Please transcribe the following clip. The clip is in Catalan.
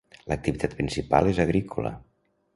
L'activitat principal és agrícola.